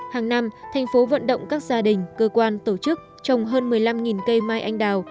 hàng năm thành phố vận động các gia đình cơ quan tổ chức trồng hơn một mươi năm cây mai anh đào